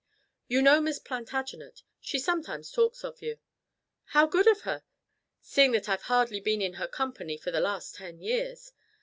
"You know Miss Plantagenet. She sometimes talks of you." "How good of her, seeing that I've hardly been in her company for the last ten years.